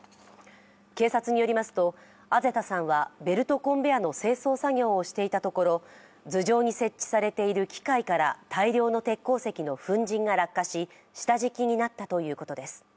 警察によりますと、畔田さんはベルトコンベアの清掃作業をしていたところ頭上に設置されている機械から大量の鉄鉱石の粉じんが落下し下敷きになったということです。